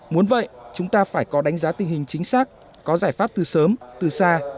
muốn vậy chúng ta phải có đánh giá tình hình chính xác có giải pháp từ sớm từ xa